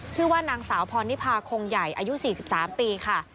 ชื่อว่านางสาวพรนิพาคงใหญ่อายุ๔๓ปีค่ะ